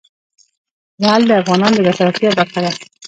لعل د افغانانو د ګټورتیا برخه ده.